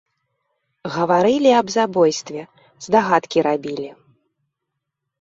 Гаварылі аб забойстве, здагадкі рабілі.